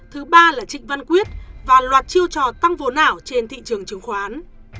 thứ ba là trịnh văn quyết và loạt chiêu trò tăng vốn ảo trên thị trường chứng khoán